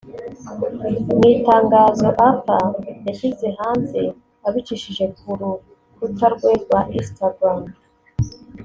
Mu itangazo Arthur yashyize hanze abicishije ku rukuta rwe rwa Instagram